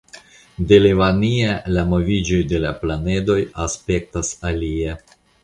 De Levania la moviĝoj de la planedoj aspektas alie.